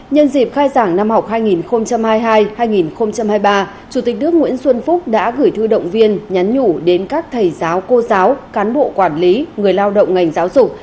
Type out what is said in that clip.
nhân dịp khai giảng năm học hai nghìn hai mươi hai hai nghìn hai mươi ba chủ tịch nước nguyễn xuân phúc đã gửi thư động viên nhắn nhủ đến các thầy giáo cô giáo cán bộ quản lý người lao động ngành giáo dục